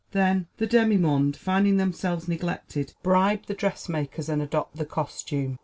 Then the demi monde, finding themselves neglected, bribe the dressmakers and adopt the costume.